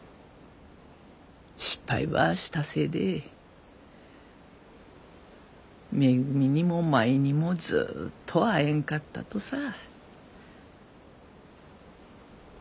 失敗ばしたせいでめぐみにも舞にもずっと会えんかったとさ。